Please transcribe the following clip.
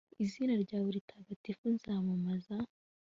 izina ryawe ritagatifu, nzamamaza